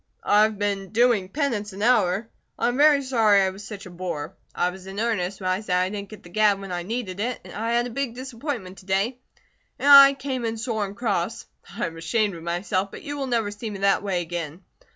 "I have been doing penance an hour. I am very sorry I was such a boor. I was in earnest when I said I didn't get the gad when I needed it. I had a big disappointment to day, and I came in sore and cross. I am ashamed of myself, but you will never see me that way again.